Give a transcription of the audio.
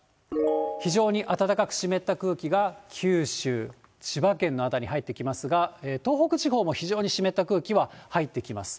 非常に暖かく湿った空気が九州、千葉県の辺りに入ってきますが、東北地方も非常に湿った空気は入ってきます。